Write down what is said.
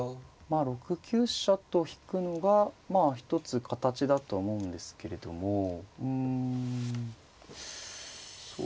６九飛車と引くのが一つ形だと思うんですけれどもうんそうですね。